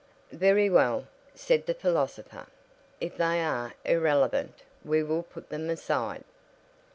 "Very well," said the philosopher, "if they are irrelevant we will put them aside."